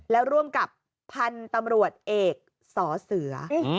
แล้วร่วมกับพันธุ์ตำรวจเอกสอเสือ